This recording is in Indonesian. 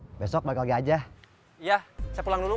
hai besok balik aja ya saya pulang dulu oke